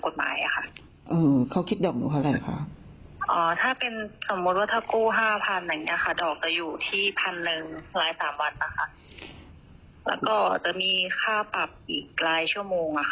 แล้วก็จะมีค่าปรับอีกหลายชั่วโมง